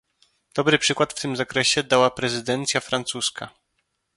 Dobry przykład w tym zakresie dała prezydencja francuska